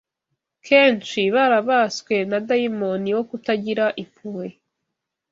kenshi barabaswe na dayimoni wo kutagira impuhwe